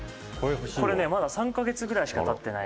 「これね、まだ３カ月ぐらいしか経ってない」